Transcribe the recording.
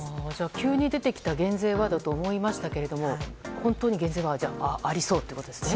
急に出てきた減税だと思いましたが本当に減税はありそうということですね。